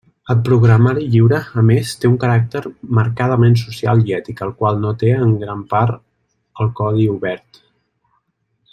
El programari lliure, a més, té un caràcter marcadament social i ètic el qual no té en gran part el codi obert.